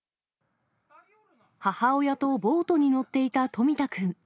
母親とボートに乗っていた冨田君。